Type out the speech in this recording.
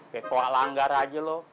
kayak koak langgar aja lu